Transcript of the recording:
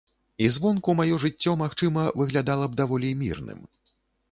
І звонку маё жыццё, магчыма, выглядала б даволі мірным.